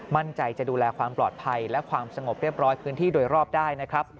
มั่นใจจะดูแลความปลอดภัยและความสงบเรียบร้อยพื้นที่โดยรอบได้นะครับ